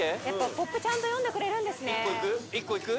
ポップちゃんと読んでくれる１個いく？